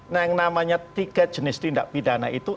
nah yang namanya tiga jenis tindak pidana itu